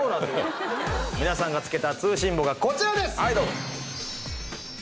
皆さんが付けた通信簿がこちらです！